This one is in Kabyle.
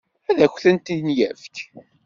Ad akent-tent-yefk?